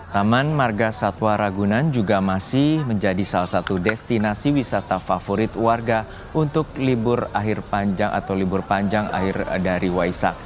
taman marga satwa ragunan juga masih menjadi salah satu desa